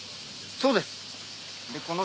そうです。